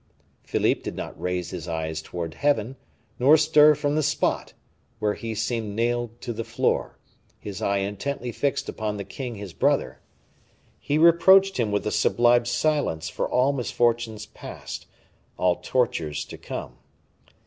Philippe did not raise his eyes towards Heaven, nor stir from the spot, where he seemed nailed to the floor, his eye intently fixed upon the king his brother. He reproached him with a sublime silence for all misfortunes past, all tortures to come.